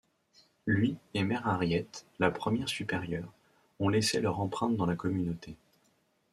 Lui et Mère Harriet, la première supérieure, ont laissé leur empreinte dans la communauté.